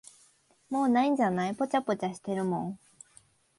もう無いんじゃない、ぽちゃぽちゃしてるもん。